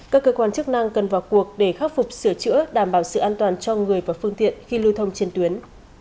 các cơ quan chức năng cần vào cuộc để khắc phục sửa chữa đảm bảo sự an toàn cho người và phương tiện khi lưu thông trên tuyến